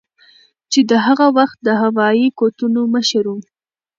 چې د هغه وخت د هوایي قوتونو مشر ؤ